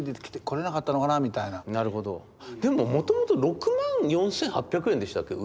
でももともと６万４，８００円でしたっけ売り出した時が。